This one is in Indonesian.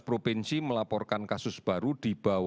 dan enam provinsi melaporkan kasus baru di bawah sepuluh